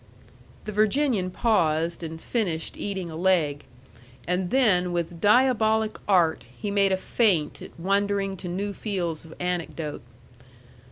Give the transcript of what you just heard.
The Virginian paused, and finished eating a leg. And then with diabolic art he made a feint at wandering to new fields of anecdote.